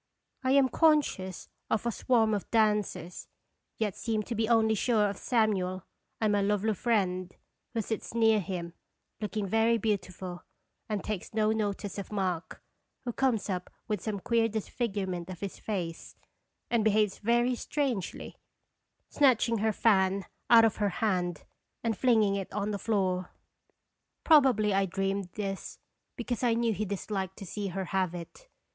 I am conscious of a swarm of dancers, yet seem to be only sure of Samuel and my lovely friend who sits near him, look ing very beautiful, and takes no notice of Mark, who comes up with some queer dis figurement of his face, and behaves very strangely, snatching her fan out of her hand and flinging it on the floor. (Probably I 270 "(Erje Second <Ear& toins." dreamed this because I knew he disliked to see her have it.)